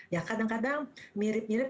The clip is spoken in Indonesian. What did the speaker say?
ya kadang kadang mirip mirip